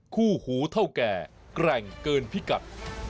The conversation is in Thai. คู่หูเท่าแก่แกร่งเกินพิกัด